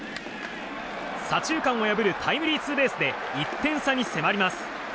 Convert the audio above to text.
左中間を破るタイムリーツーベースで１点差に迫ります。